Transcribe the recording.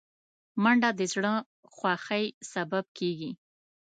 منډه د زړه خوښۍ سبب کېږي